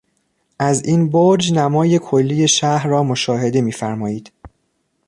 از این برج نمای کلی شهر را مشاهده میفرمایید.